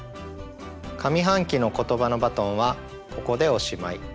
上半期の「ことばのバトン」はここでおしまい。